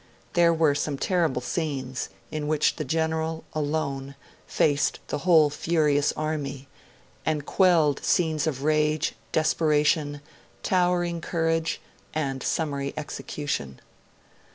There were some terrible scenes, in which the General, alone, faced the whole furious army, and quelled it: scenes of rage, desperation, towering courage, and summary execution.